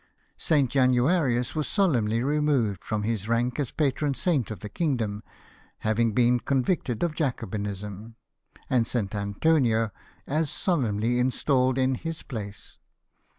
St. Januarius was solemnly removed from his rank as patron saint of the kingdom, having been convicted of Jacobinism, and St. Antonio as solemnly installed in his place.